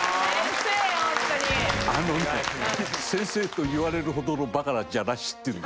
あのね先生と言われるほどのばかじゃなしっていうの。